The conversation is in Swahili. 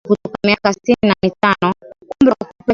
umri wa kupewa kiinua mgongo kutoka miaka sitini na mitano